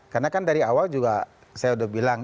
karena kan dari awal juga saya sudah bilang